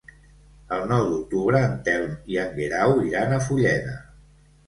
El nou d'octubre en Telm i en Guerau iran a Fulleda.